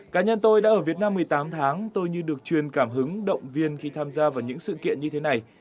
cá nhân tôi đã ở việt nam một mươi tám tháng tôi như được truyền cảm hứng động viên khi tham gia vào những sự kiện như thế này